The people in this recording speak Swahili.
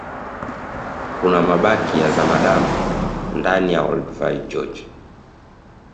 kuna mabaki ya zamadamu ndani ya olduvai george